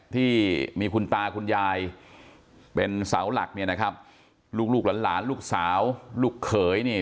ที่มีคุณตาคุณยายเป็นเสาหลักเนี่ยนะครับลูกลูกหลานหลานลูกสาวลูกเขยเนี่ย